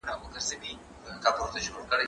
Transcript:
زه مخکي د ښوونځی لپاره تياری کړی وو.